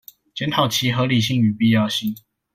檢討其合理性與必要性